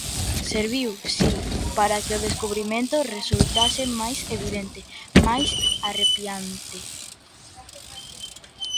serviu, si, para que o descubrimento resultase máis evidente, máis arrepiante.